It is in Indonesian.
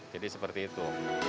jadi seperti itu